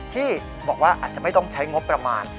ที่บอกว่าอาจจะไม่ต้องใช้งบประมาณ